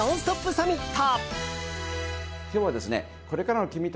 サミット。